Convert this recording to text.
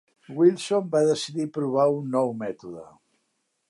Wilson va decidir provar un nou mètode.